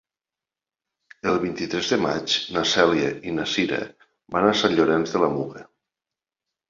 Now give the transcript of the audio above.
El vint-i-tres de maig na Cèlia i na Cira van a Sant Llorenç de la Muga.